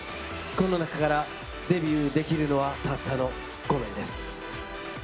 この中からデビューできるのはたったの５名です。